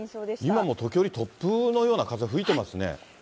今も時折、突風のような風、吹いてますね。